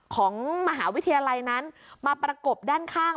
ของมหาวิทยาลัยนั้นมาประกบด้านข้าง